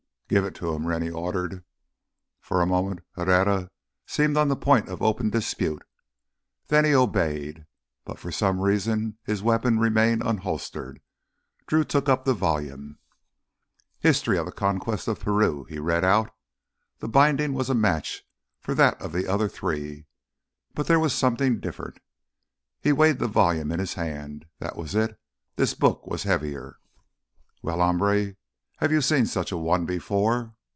"Give it to him," Rennie ordered. For a moment Herrera seemed on the point of open dispute, then he obeyed. But for some reason his weapon remained unholstered. Drew took up the volume. "History of the Conquest of Peru," he read out. The binding was a match for that of the other three. But—there was something different. He weighed the volume in his hand. That was it! This book was heavier.... "Well, hombre, you have seen such a one before?"